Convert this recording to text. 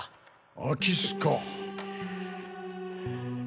空き巣か。